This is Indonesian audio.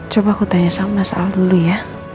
coba aku tanya sama mas al dulu ya